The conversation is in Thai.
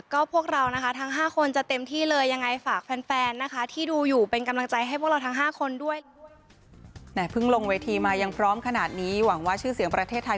ก็พวกเรานะคะทั้ง๕คนจะเต็มที่เลยยังไงฝากแฟนแฟนนะคะที่ดูอยู่เป็นกำลังใจให้พวกเราทั้ง๕คนด้วย